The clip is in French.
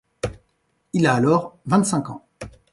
Il a alors vingt-cinq ans.